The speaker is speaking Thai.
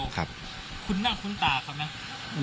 คุ้นหน้าคุ้นตาก่อนไหม